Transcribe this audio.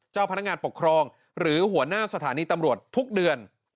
เจ้าพนักงานปกครองหรือหัวหน้าสถานีตำรวจทุกเดือน